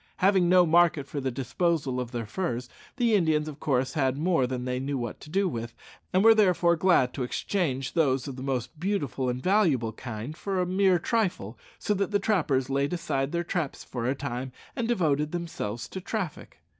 Having no market for the disposal of their furs, the Indians of course had more than they knew what to do with, and were therefore glad to exchange those of the most beautiful and valuable kind for a mere trifle, so that the trappers laid aside their traps for a time and devoted themselves to traffic.